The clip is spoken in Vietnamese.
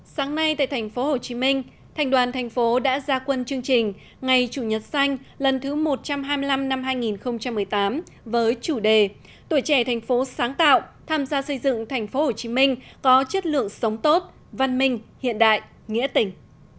sáng nay tại thành phố hồ chí minh thành đoàn thành phố đã ra quân chương trình ngày chủ nhật xanh lần thứ một trăm hai mươi năm năm hai nghìn một mươi tám với chủ đề tuổi trẻ thành phố sáng tạo tham gia xây dựng thành phố hồ chí minh có chất lượng sống tốt văn minh hiện đại nghĩa tình